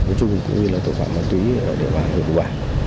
nói chung cũng như là tội phạm ma túy ở địa bàn huyện vụ bản